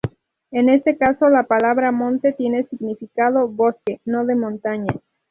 En este caso la palabra monte tiene significado bosque, no de montaña.